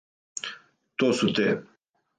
То су те.